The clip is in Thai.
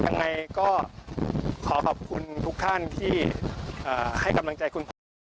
เอ่อยังไงก็ขอขอบคุณทุกท่านที่ให้กำลังใจคุณ